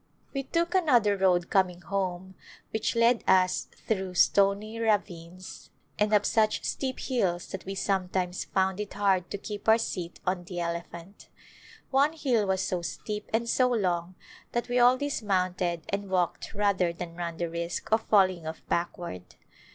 We took another road coming home which led us through stony ravines and up such steep hills that we sometimes found it hard to keep our seat on the ele phant. One hill was so steep and so long that we all dismounted and walked rather than run the risk of falling off backward.